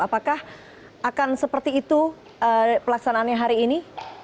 apakah akan seperti itu pelaksanaannya hari ini